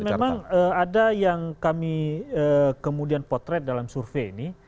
memang ada yang kami kemudian potret dalam survei ini